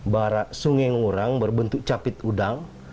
barak sungai ngurang berbentuk capit udang